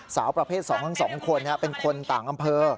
สาวประเภทสองของสองคนนี้เป็นคนต่างอำเภอ